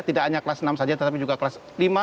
tidak hanya kelas enam saja tetapi juga kelas lima